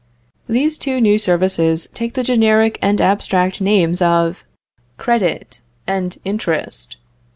These two new services take the generic and abstract names of credit and interest.